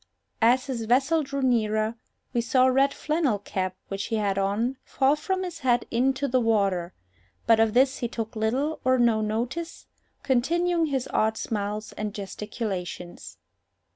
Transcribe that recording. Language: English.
As his vessel drew nearer, we saw a red flannel cap which he had on fall from his head into the water; but of this he took little or no notice, continuing his odd smiles and gesticulations.